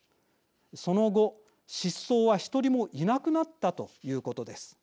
その後、失踪は１人もいなくなったということです。